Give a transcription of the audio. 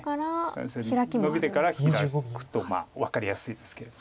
３線ノビてからヒラくと分かりやすいですけど。